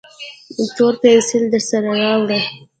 تور پینسیل درسره راوړه